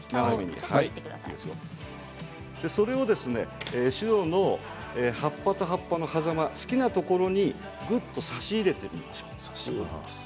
それをシュロの葉っぱと葉っぱのはざま、好きなところにぐっと挿し入れてみましょう。